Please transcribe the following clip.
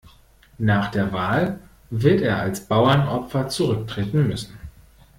Nach der Wahl wird er als Bauernopfer zurücktreten müssen.